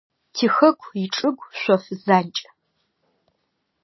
Тихэку ичӏыгу – шъоф занкӏ.